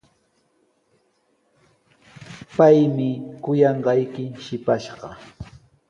Paymi kuyanqayki shipashqa.